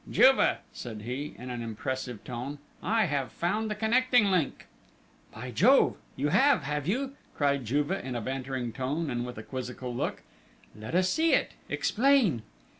"Juve," said he, in an impressive tone, "I have found the connecting link!" "By Jove! You have, have you!" cried Juve in a bantering tone, and with a quizzical look. "Let us see it!... Explain!..."